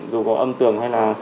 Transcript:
dù có âm tường hay là